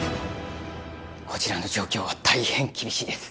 こちらの状況は大変厳しいです。